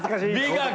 美学。